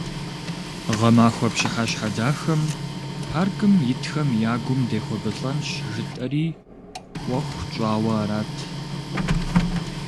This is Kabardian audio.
Гъэмахуэ пщыхьэщхьэ дахэм паркым итхэм я гум дехуэбылӀэнщ жытӀэри, Ӏуэху тщӀауэ арат.